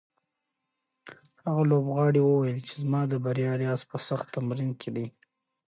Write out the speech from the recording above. هغه لوبغاړی وویل چې زما د بریا راز په سخت تمرین کې دی.